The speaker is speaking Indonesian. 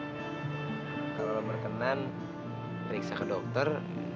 kalau berkenan periksa ke dokter